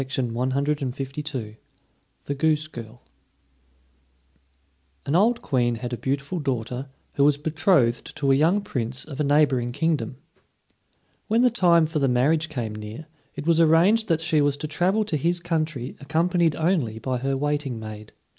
THE GOOSE GIRL BY WILHELM AND JAKOB GRIMM An old Queen had a beautiful daughter, who was betrothed to a young Prince of a neighboring kingdom. When the time for the marriage came near, it was arranged that she was to travel to his country accompanied only by her waiting maid.